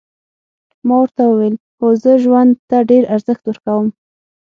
ما ورته وویل هو زه ژوند ته ډېر ارزښت ورکوم.